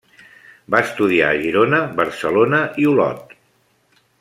Va estudiar a Girona, Barcelona i Olot.